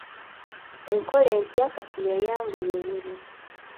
Enkola empya kati y'eyanguya emirimu.